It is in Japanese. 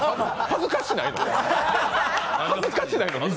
恥ずかしないわ。